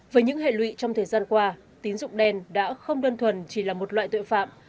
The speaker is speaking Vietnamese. với những hệ lụy trong thời gian qua tín dụng đen đã không đơn thuần chỉ là một loại tội phạm